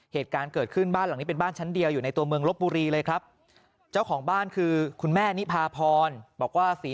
เหตุการณ์เกิดขึ้นบ้านหลังนี้เป็นบ้านชั้นเดียว